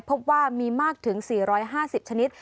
พบว่ามีมากถึง๔๕๐ชนิด